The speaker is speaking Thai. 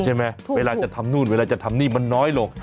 เวลาจะทำนู่นเวลาจะทำนี่มันน้อยลง